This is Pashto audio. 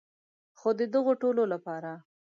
خو د دغو ټولو لپاره.